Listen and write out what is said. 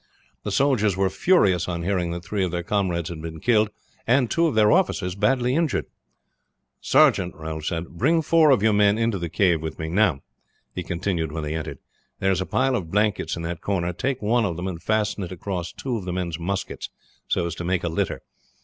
The soldiers were furious on hearing that three of their comrades had been killed, and two of their officers badly injured. "Sergeant," Ralph said, "bring four of your men into the cave with me. Now," he continued when they entered, "there is a pile of blankets in that corner; take one of them and fasten it across two of the men's muskets, so as to make a litter.